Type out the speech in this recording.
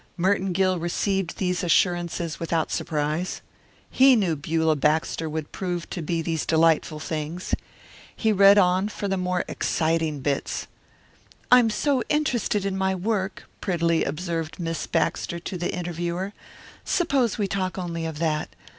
Merton Gill received these assurances without surprise. He knew Beulah Baxter would prove to be these delightful things. He read on for the more exciting bits. "I'm so interested in my work," prettily observed Miss Baxter to the interviewer; "suppose we talk only of that.